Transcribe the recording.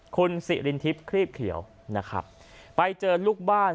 คุณสิรินทิพย์ครีบเขียวนะครับไปเจอลูกบ้าน